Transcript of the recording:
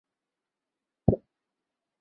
是前任首领段乞珍之子。